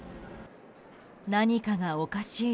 何かがおかしい